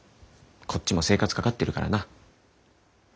こっちも生活かかってるからな。